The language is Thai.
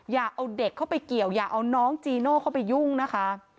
อย่าเอาเด็กเข้าไปเกี่ยวอย่าเอาน้องจีโน่เข้าไปยุ่งนะคะ